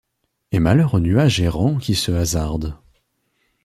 Et malheur au nuage errant qui se hasarde